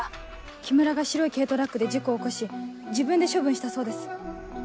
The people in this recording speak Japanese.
木村が白い軽トラックで事故を起こし自分で処分したそうです。